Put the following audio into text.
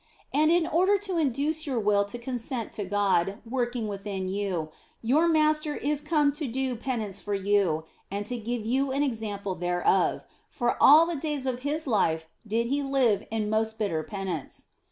And in order to induce your will to consent to God working within you, your Master is come to do penance for you and to give you an example thereof, for all the days of His life did He live in most bitter penance.